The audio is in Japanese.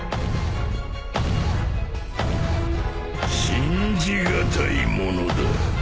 信じ難いものだ！